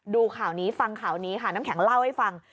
ดูข่าวนี้ฟังข่าวนี้ค่ะน้ำแข็งเล่าให้ฟัง